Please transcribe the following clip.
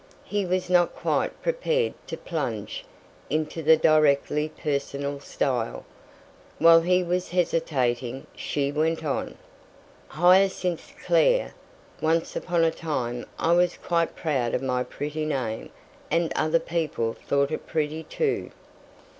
He was not quite prepared to plunge into the directly personal style. While he was hesitating, she went on "Hyacinth Clare! Once upon a time I was quite proud of my pretty name; and other people thought it pretty, too."